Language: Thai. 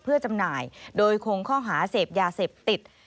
เพื่อจำหน่ายโดยคงข้อหาเสพยาเสพติด